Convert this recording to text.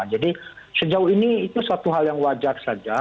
jadi sejauh ini itu suatu hal yang wajar saja